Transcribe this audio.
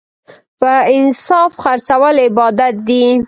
په انصاف خرڅول عبادت دی.